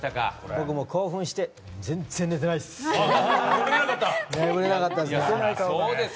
僕、興奮して全然寝てないです！